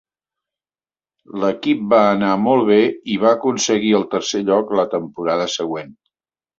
L'equip va anar molt bé i va aconseguir el tercer lloc la temporada següent.